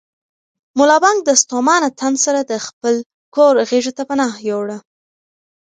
ملا بانګ د ستومانه تن سره د خپل کور غېږې ته پناه یووړه.